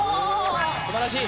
すばらしい。